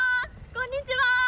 こんにちは！